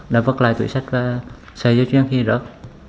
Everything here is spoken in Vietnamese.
đã vứt lại tuổi sách và sợi dây chuyên khi rớt